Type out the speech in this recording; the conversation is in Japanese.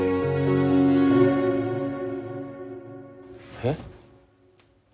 えっ。